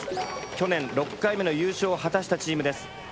去年６回目の優勝を果たしたチームです。